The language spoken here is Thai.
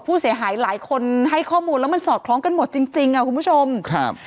ผู้เสียหายหลายคนให้ข้อมูลแล้วมันสอดคล้องกันหมดจริงจริงอ่ะคุณผู้ชมครับ